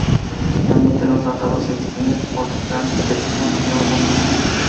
Finalmente, los tratados se distinguen por su gran precisión teológica.